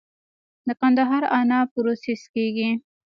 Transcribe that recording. د قندهار انار پروسس کیږي؟